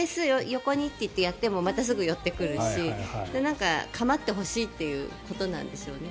横にと言ってもまたすぐ寄ってくるし構ってほしいっていうことなんでしょうね。